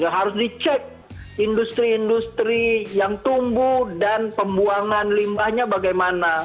harus dicek industri industri yang tumbuh dan pembuangan limbahnya bagaimana